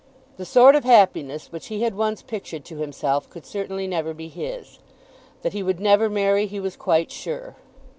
The sort of happiness which he had once pictured to himself could certainly never be his. That he would never marry he was quite sure.